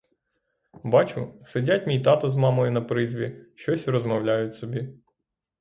Бачу — сидять мій тато з мамою на призьбі, щось розмовляють собі.